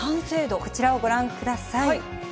こちらをご覧ください。